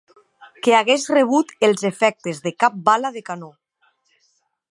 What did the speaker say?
...que hagués rebut els efectes de cap bala de canó.